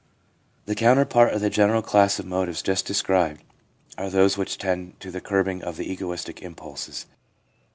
The counterpart of the general class of motives just described are those which tend to the curbing of the egoistic impulses.